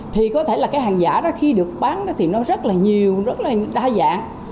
thì có thể là cái hàng giả đó khi được bán thì nó rất là nhiều rất là đa dạng